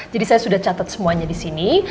jadi saya sudah catat semuanya di sini